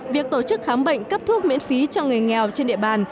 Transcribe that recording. việc tổ chức khám bệnh cấp thuốc miễn phí cho người nghèo trên địa bàn